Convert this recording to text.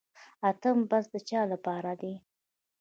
اتم بست د چا لپاره دی؟